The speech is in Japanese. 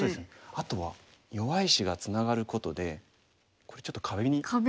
あとは弱い石がツナがることでこれちょっと壁に見えません？